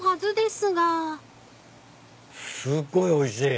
すっごいおいしい。